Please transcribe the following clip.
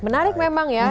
menarik memang ya